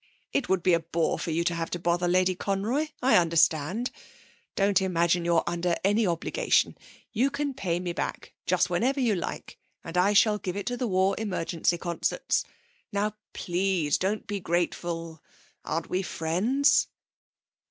It would be a bore for you to have to bother Lady Conroy. I understand. Don't imagine you're under any obligation; you can pay it me back just whenever you like and I shall give it to the War Emergency Concerts.... Now, please, don't be grateful. Aren't we friends?'